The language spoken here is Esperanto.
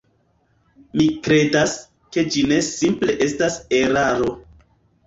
Mi kredas, ke ĝi ne simple estas eraro.